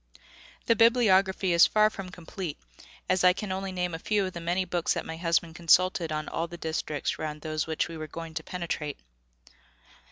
The bibliography is far from complete, as I can name only a few of the many books that my husband consulted on all the districts round those which we were going to penetrate.